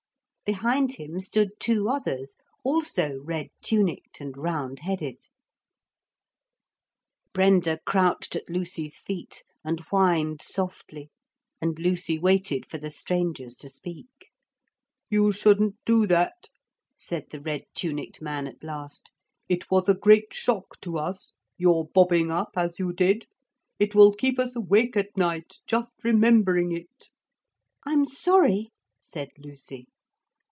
Behind him stood two others, also red tunicked and round headed. [Illustration: Lucy threw herself across the well parapet.] Brenda crouched at Lucy's feet and whined softly, and Lucy waited for the strangers to speak. 'You shouldn't do that,' said the red tunicked man at last, 'it was a great shock to us, your bobbing up as you did. It will keep us awake at night, just remembering it.' 'I'm sorry,' said Lucy.